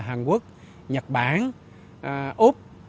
hàn quốc nhật bản úc